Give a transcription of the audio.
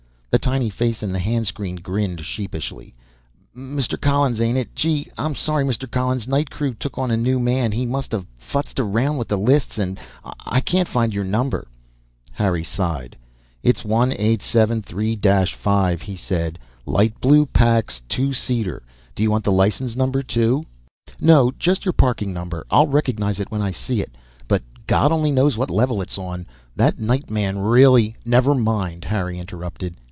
The tiny face in the hand screen grinned sheepishly. "Mr. Collins, ain't it? Gee, I'm sorry, Mr. Collins. Night crew took on a new man, he must have futzed around with the lists, and I can't find your number." Harry sighed. "It's one eight seven three dash five," he said. "Light blue Pax, two seater. Do you want the license number, too?" "No, just your parking number. I'll recognize it when I see it. But God only knows what level it's on. That night man really " "Never mind," Harry interrupted.